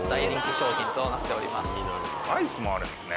アイスもあるんですね。